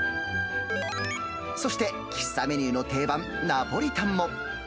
そして、喫茶メニューの定番ナポリタンも。